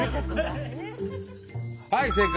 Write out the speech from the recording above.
はい正解。